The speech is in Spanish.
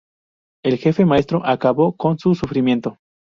El jefe Maestro acabó con su sufrimiento.